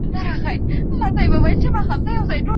څنګه يې هو نه له ياده وباسم